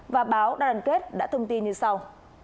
và báo đoàn kết đã thông tin như sau